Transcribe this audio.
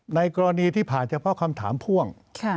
ในกรณีที่ผ่านเฉพาะคำถามพ่วง